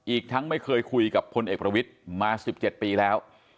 อีกทั้งไม่เคยคุยกับพลเอกประวิทย์มา๑๗ปีแล้ว